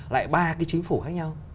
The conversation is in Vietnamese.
lại ba cái chính phủ khác nhau